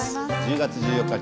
１０月１４日